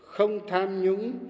không tham nhũng